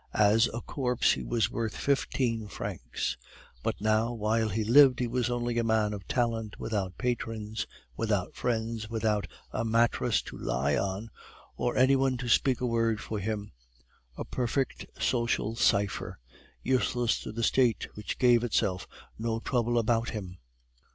As a corpse, he was worth fifteen francs; but now while he lived he was only a man of talent without patrons, without friends, without a mattress to lie on, or any one to speak a word for him a perfect social cipher, useless to a State which gave itself no trouble about him.